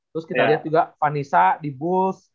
terus kita liat juga panisa di bus